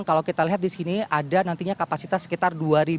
kalau kita lihat di sini ada nantinya kapasitas sekitar dua ribu satu ratus delapan puluh